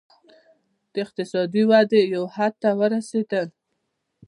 د اقتصادي ودې یو حد ته ورسېدل.